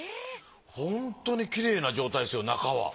ホントにきれいな状態ですよ中は。